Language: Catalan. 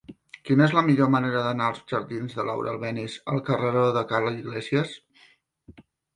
Quina és la millor manera d'anar dels jardins de Laura Albéniz al carreró de Ca l'Iglésies?